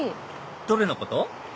どれのこと？